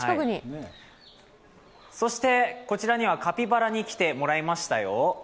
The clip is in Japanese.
そして、こちらにはカピバラに来てもらいましたよ。